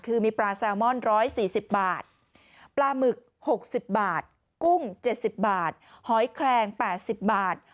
คือมีปลาแซลมอน๑๔๐บาทปลาหมึก๖๐บาทกุ้ง๗๐บาทหอยแคลง๘๐บาท